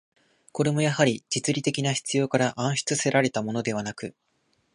これもやはり、実利的な必要から案出せられたものではなく、